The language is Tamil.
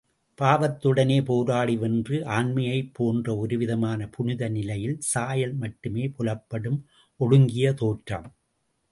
பாவத்துடனே போராடி வென்ற ஆண்மையைப் போன்று ஒருவிதமான புனித நிலையின் சாயல் மட்டுமே புலப்படும் ஒடுங்கிய தோற்றம்!